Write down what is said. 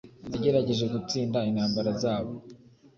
Yagerageje gutsinda intambara zabo